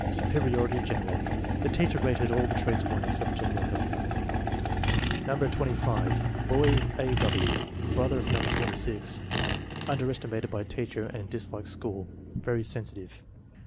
Superiority general. The teacher rated all the traits 1 except general health. No. 25. Boy: A. W. Brother of No. 26. Underes timated by teacher and dislikes school. Very sensitive.